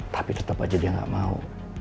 tapi tetap aja dia nggak mau